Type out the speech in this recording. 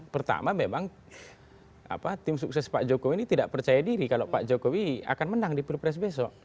pertama memang tim sukses pak jokowi ini tidak percaya diri kalau pak jokowi akan menang di pilpres besok